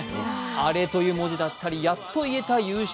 アレという文字だったり、やっと言えた優勝。